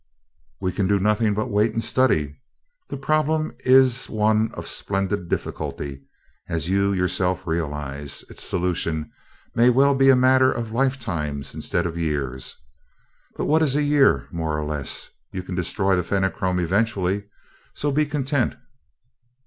"We can do nothing but wait and study. That problem is one of splendid difficulty, as you yourself realize. Its solution may well be a matter of lifetimes instead of years. But what is a year, more or less? You can destroy the Fenachrone eventually, so be content."